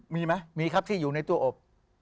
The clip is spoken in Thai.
มีไหมมีครับที่อยู่ในตัวอบ